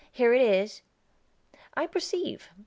"Here it is." "I perceive.